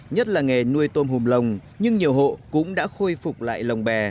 nhất là nghề nuôi tôm hùm lồng nhưng nhiều hộ cũng đã khôi phục lại lồng bè